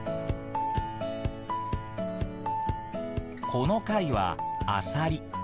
この貝はアサリ。